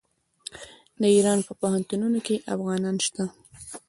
د ایران په پوهنتونونو کې افغانان شته.